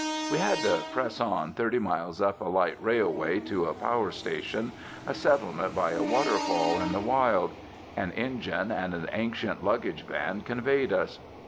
We had to press on thirty miles up a 'light railway' to a power station, a settlement by a waterfall in the wild. An engine and an ancient luggage van conveyed us.